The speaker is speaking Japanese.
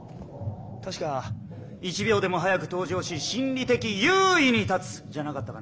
確か「１秒でも早く登場し心理的優位に立つ」じゃなかったかな。